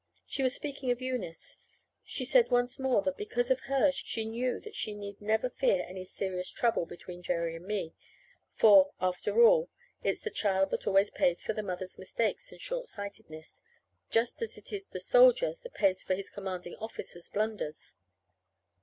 She was speaking of Eunice. She said once more that because of her, she knew that she need never fear any serious trouble between Jerry and me, for, after all, it's the child that always pays for the mother's mistakes and short sightedness, just as it is the soldier that pays for his commanding officer's blunders.